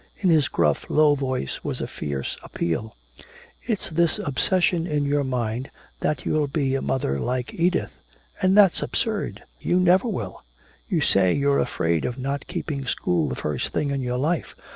In his gruff low voice was a fierce appeal. "It's this obsession in your mind that you'll be a mother like Edith. And that's absurd! You never will! You say you're afraid of not keeping school the first thing in your life!